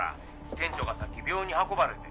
店長がさっき病院に運ばれて。